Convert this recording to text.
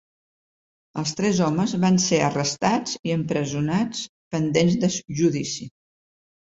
Els tres homes van ser arrestats i empresonats pendents de judicis.